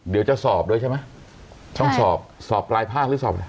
เดี๋ยวจะสอบด้วยใช่ไหมต้องสอบสอบปลายภาคหรือสอบอะไร